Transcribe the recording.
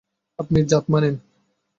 আপনি জাত মানেন!